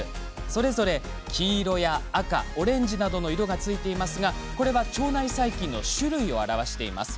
それぞれ黄色や赤オレンジなどの色がついていますが、これは腸内細菌の種類を表しています。